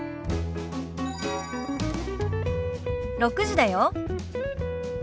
６時だよ。